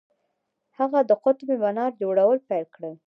هغه د قطب منار جوړول پیل کړل.